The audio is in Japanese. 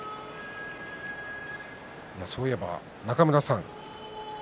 そういえば中村さん